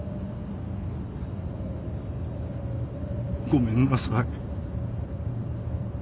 ごめんなさい